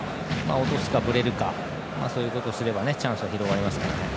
落とすか、ぶれるかそういうことをすればチャンスは広がりますから。